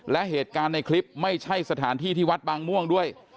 และเหตุการณ์ในคลิปไม่ใช่สถานที่ที่วัดบางม่วงด้วย